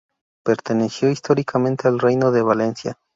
Perteneció históricamente al Reino de Valencia.